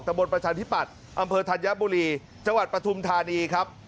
บนประชาธิปัตย์อำเภอธัญบุรีจังหวัดปฐุมธานีครับ